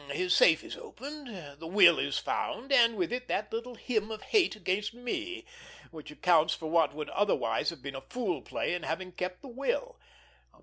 —his safe is opened, the will is found, and with it that little hymn of hate against me, which accounts for what would otherwise have been a fool play in having kept the will.